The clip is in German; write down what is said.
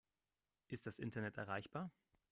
Ist das Internet erreichbar?